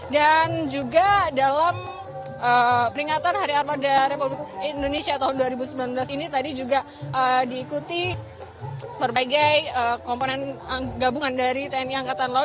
juga dalam peringatan hari armada republik indonesia tahun dua ribu sembilan belas ini tadi juga diikuti berbagai komponen gabungan dari tni angkatan laut